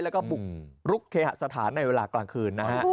แล้วก็บุกรุกเคหสถานในเวลากลางคืนนะฮะ